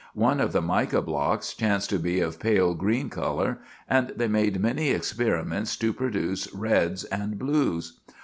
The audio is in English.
One of the mica blocks chanced to be of a pale green color, and they made many experiments to produce reds and blues.